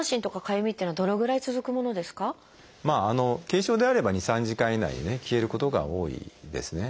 軽症であれば２３時間以内に消えることが多いですね。